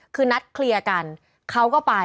คือนัดเคลียร์กันเขาก็ไป